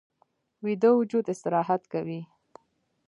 ویده وجود استراحت کوي